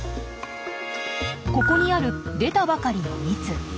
ここにある出たばかりの蜜。